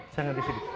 jangan di sini